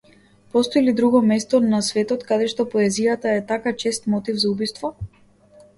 Постои ли друго место на светот кадешто поезијата е така чест мотив за убиство?